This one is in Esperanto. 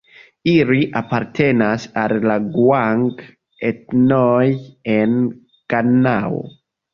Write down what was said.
Ili apartenas al la guang-etnoj en Ganao.